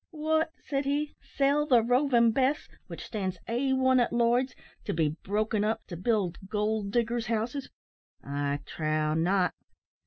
"What," said he, "sell the Roving Bess, which stands A1 at Lloyd's, to be broken up to build gold diggers houses? I trow not.